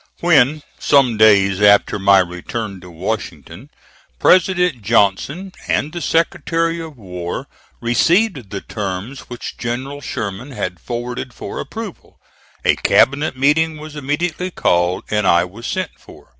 When, some days after my return to Washington, President Johnson and the Secretary of war received the terms which General Sherman had forwarded for approval, a cabinet meeting was immediately called and I was sent for.